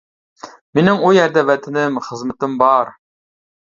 مېنىڭ ئۇ يەردە ۋەتىنىم، خىزمىتىم بار.